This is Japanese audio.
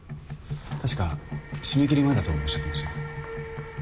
確か締め切り前だとおっしゃっていましたけど。